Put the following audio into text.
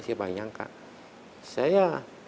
siapa yang nyangka saya